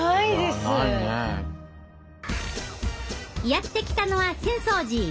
やって来たのは浅草寺！